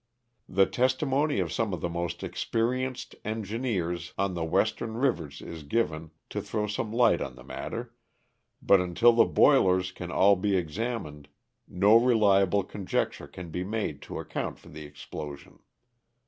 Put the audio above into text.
The testimony of some of the most experienced engineers on the western rivers is given, to throw some light on the matter, but until the boilers can all be exammed, no reliable conjecture can bo made to account for the explosion.